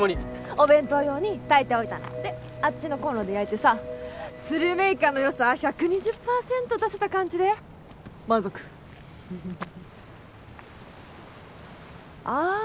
お弁当用に炊いておいたのであっちのコンロで焼いてさスルメイカのよさは１２０％出せた感じで満足ああ